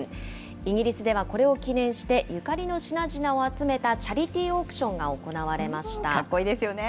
イギリスではこれを記念して、ゆかりの品々を集めたチャリティーオークションが行われました。